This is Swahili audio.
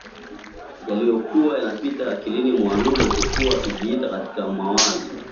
yaliyokuwa yanapita akilini mwa Lulu alipokuwa amejikita katika mawazo